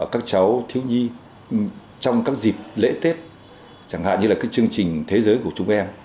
các cháu thiếu nhi trong các dịp lễ tết chẳng hạn như là chương trình thế giới của chúng em